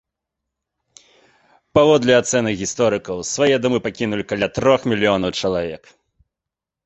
Паводле ацэнак гісторыкаў, свае дамы пакінулі каля трох мільёнаў чалавек.